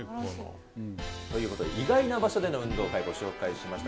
ということで意外な場所での運動会ご紹介しました。